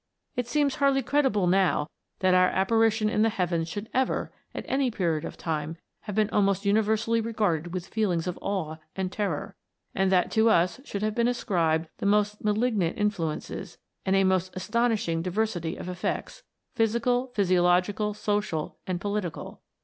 It seems hardly credible now that our apparition in the heavens should ever, at any period of time, have been almost universally regarded with feelings of awe and terror, and that to us should have been ascribed the most malignant influences, and a most astonishing diversity of effects, physical, physiolo gical, social, and political.